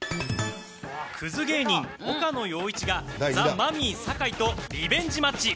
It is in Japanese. クズ芸人・岡野陽一がザ・マミィ酒井とリベンジマッチ。